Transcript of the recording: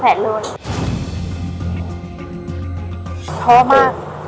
ตัวเนี่ยเศร้าแล้วแหละ